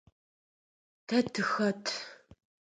Тэ тыхэт?